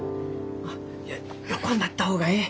あっいや横になった方がえい。